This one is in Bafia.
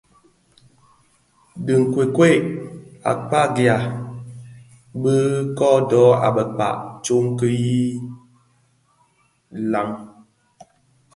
Dhi bi nkokwei a kpagianë bi kodo a bekpag tsok yi landen.